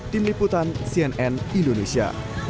tim liputan cnn indonesia